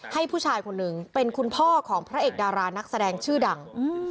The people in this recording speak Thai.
ผู้ชายคนหนึ่งเป็นคุณพ่อของพระเอกดารานักแสดงชื่อดัง